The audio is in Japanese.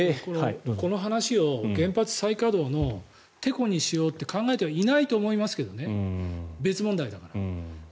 この話を原発再稼働のてこにしようと考えてはいないと思いますけど別問題だから。